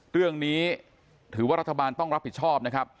เรื่องนี้ถือว่ารัฐบาลต้องรับผิดชอบนะครับ